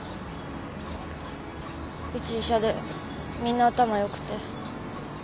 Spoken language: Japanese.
ウチ医者でみんな頭よくって。